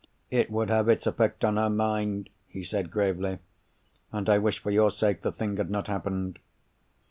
"It would have its effect on her mind," he said gravely. "And I wish, for your sake, the thing had not happened.